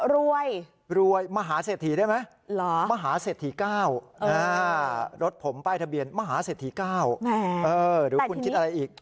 รวยรวยมหาเสถียได้ไหมมหาเสถีย๙หรือคุณคิดอะไรอีก